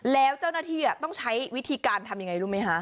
แล้วเจ้าหน้าที่ต้องใช้วิธีการทำยังไงรู้ไหมคะ